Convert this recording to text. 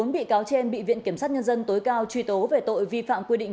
bốn bị cáo trên bị viện kiểm sát nhân dân tối cao truy tố về tội vi phạm quy định